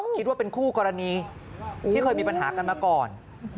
คิดว่าเป็นคู่กรณีที่เคยมีปัญหากันมาก่อน